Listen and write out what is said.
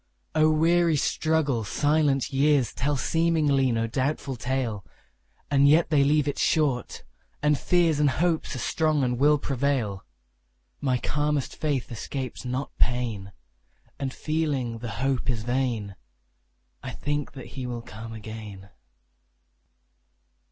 O weary struggle! silent years Tell seemingly no doubtful tale; And yet they leave it short, and fears And hopes are strong and will prevail. My calmest faith escapes not pain; And, feeling that the hope is vain, I think that he will come again.